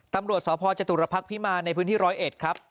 ตำรวจสพจตุรพักษ์พิมารในพื้นที่๑๐๑ครับ